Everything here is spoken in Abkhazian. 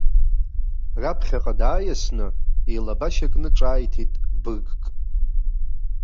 Раԥхьаҟа дааиасны, илабашьа кны ҿааиҭит быргк.